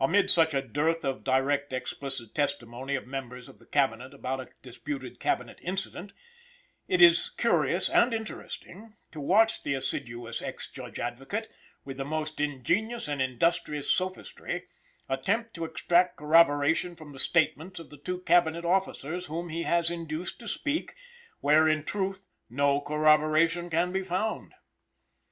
Amid such a dearth of direct explicit testimony of members of the Cabinet about a disputed Cabinet incident, it is curious and interesting to watch the assiduous ex Judge Advocate, with the most ingenious and industrious sophistry, attempt to extract corroboration from the statements of the two ex Cabinet officers, whom he has induced to speak, where in truth no corroboration can be found.